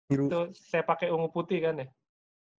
itu saya pakai ungu putih kan ya